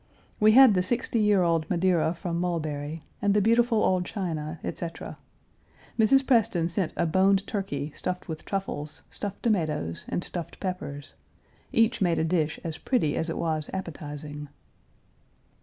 We had the sixty year old Madeira from Mulberry, and the beautiful old china, etc. Mrs. Preston sent a boned turkey stuffed with truffles, stuffed tomatoes, and stuffed peppers. Each made a dish as pretty as it was appetizing.